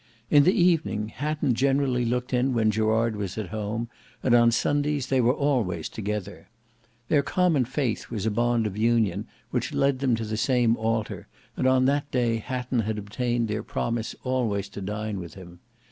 In the evening, Hatton generally looked in when Gerard was at home, and on Sundays they were always together. Their common faith was a bond of union which led them to the same altar, and on that day Hatton had obtained their promise always to dine with him.